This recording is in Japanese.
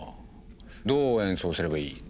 どう演奏すればいい？